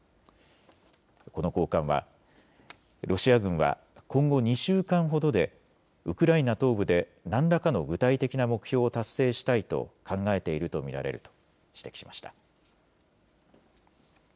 この高官はロシア軍は今後２週間ほどでウクライナ東部で何らかの具体的な目標を達成したいと考えていると見られると指摘しました。